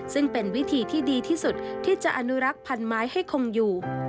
ซึ่งเป็นวิธีที่ดีที่สุดที่จะอนุรักษ์พันธุ์ไม้ให้คงอยู่